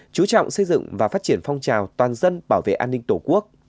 chú trọng xây dựng và phát triển phong trào toàn dân bảo vệ an ninh tổ quốc